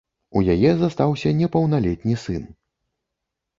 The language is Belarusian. У яе застаўся непаўналетні сын.